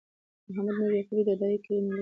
محمد نور یعقوبی د ډایی کلی ملک دی